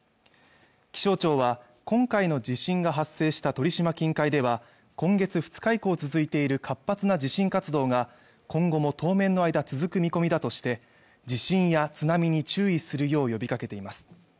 気象庁は今回の地震が発生した鳥島近海では今月２日以降続いている活発な地震活動が今後も当面の間続く見込みだとして地震や津波に注意するよう呼びかけています